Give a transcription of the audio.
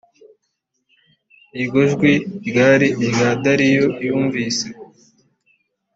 iryo jwi ryari irya dariyo yumvise